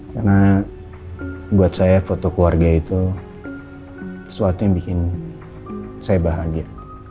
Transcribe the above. karena buat saya foto keluarga itu sesuatu yang bikin saya bahagia